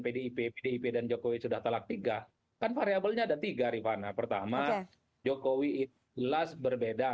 pdip pdip dan jokowi sudah telak tiga kan variabelnya ada tiga rifana pertama jokowi itu jelas berbeda